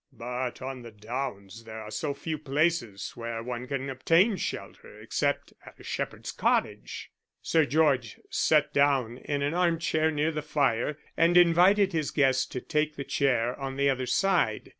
"But on the downs there are so few places where one can obtain shelter except at a shepherd's cottage." Sir George sat down in an arm chair near the fire and invited his guest to take the chair on the other side.